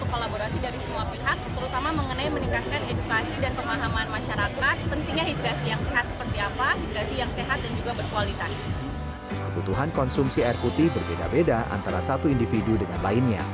kebutuhan konsumsi air putih berbeda beda antara satu individu dengan lainnya